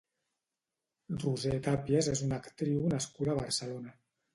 Roser Tapias és una actriu nascuda a Barcelona.